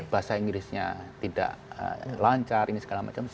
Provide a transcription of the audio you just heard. bahasa inggrisnya tidak lancar ini segala macam